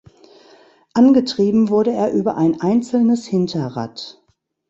Angetrieben wurde er über ein einzelnes Hinterrad.